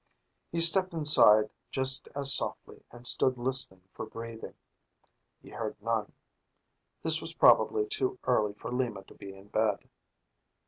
He stepped inside just as softly and stood listening for breathing. He heard none. This was probably too early for Lima to be in bed.